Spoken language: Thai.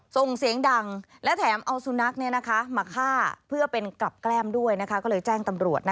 ส่งเสียงดังและแถมเอาสุนัขมาฆ่าเพื่อเป็นกลับแกล้มด้วยก็เลยแจ้งตำรวจ